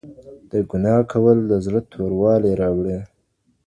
د ګناه کول د زړه توروالی راوړي.